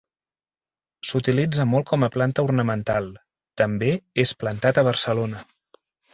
S'utilitza molt com a planta ornamental, també és plantat a Barcelona.